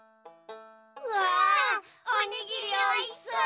うわおにぎりおいしそう！